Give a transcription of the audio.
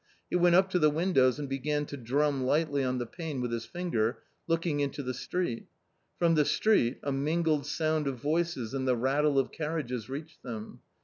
He went up to the windows and began to drum lightly on the pane with his finger, looking into the street. From the street a mingled sound of voices and the rattle of carriages reached them.